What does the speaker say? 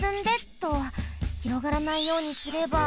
広がらないようにすれば。